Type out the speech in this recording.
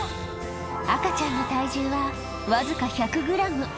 赤ちゃんの体重は僅か１００グラム。